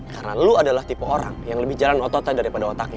karena lo adalah tipe orang yang lebih jalan ototnya daripada otaknya